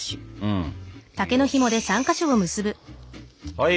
はい。